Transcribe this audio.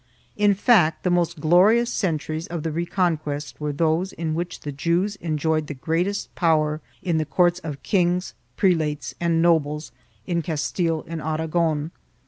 2 In fact, the most glorious centuries of the Reconquest were those in which the Jews en joyed the greatest power in the courts of kings, prelates and nobles, in Castile and Aragon.